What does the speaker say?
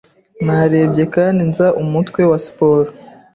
Narebye kandi nza umutwe wa Spot,